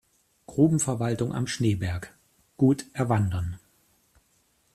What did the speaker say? Grubenverwaltung am Schneeberg, gut erwandern.